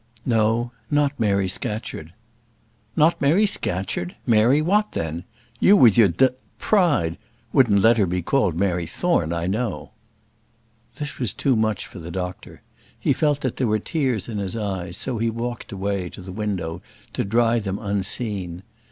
"No. Not Mary Scatcherd." "Not Mary Scatcherd! Mary what, then? You, with your d pride, wouldn't let her be called Mary Thorne, I know." This was too much for the doctor. He felt that there were tears in his eyes, so he walked away to the window to dry them, unseen.